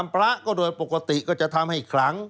ทำพระก็โดยปกติก็จะทำให้อีกครั้ง